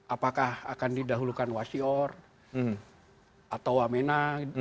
apakah akan didahulukan wasior atau wamena